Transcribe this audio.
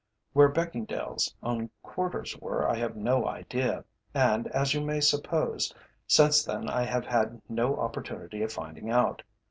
Where Beckingdale's own quarters were I have no idea, and, as you may suppose, since then I have had no opportunity of finding out.